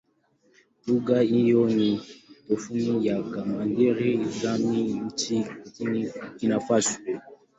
Lugha hiyo ni tofauti na Kidagaare-Kaskazini nchini Burkina Faso.